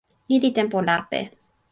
ni li tenpo lape.